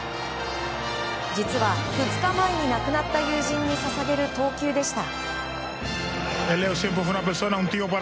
実は、２日前に亡くなった友人に捧げる投球でした。